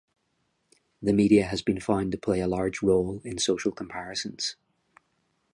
The media has been found to play a large role in social comparisons.